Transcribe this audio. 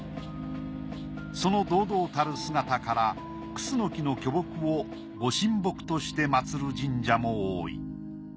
その堂々たる姿からクスノキの巨木をご神木としてまつる神社も多い。